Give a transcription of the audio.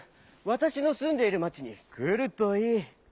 わたしのすんでいる町にくるといい。